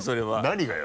何がよ？